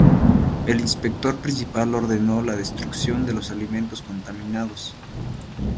El inspector principal ordenó la destrucción de los alimentos contaminados.